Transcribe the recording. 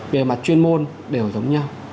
về mặt chuyên môn đều giống nhau